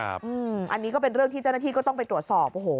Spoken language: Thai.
อันนี้ก็เป็นเรื่องที่เจ้าหน้าที่ก็ต้องไปตรวจสอบโอ้โห